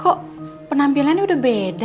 kok penampilan dia udah perbeda dengan saya